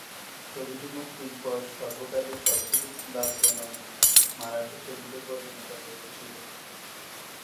ছবিটি মুক্তির পর সর্বকালের সবচেয়ে লাভজনক মারাঠি ছবিতে পরিণত হয়েছিল।